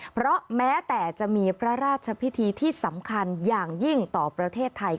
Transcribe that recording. เพราะแม้แต่จะมีพระราชพิธีที่สำคัญอย่างยิ่งต่อประเทศไทย